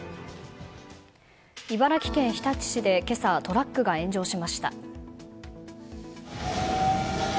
茨城県日立市で今朝、トラックが炎上しました。